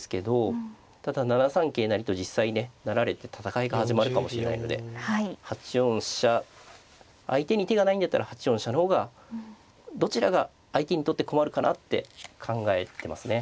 ただ７三桂成と実際ね成られて戦いが始まるかもしれないので８四飛車相手に手がないんだったら８四飛車の方がどちらが相手にとって困るかなって考えてますね。